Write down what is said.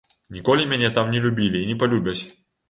Ніколі мяне там не любілі і не палюбяць.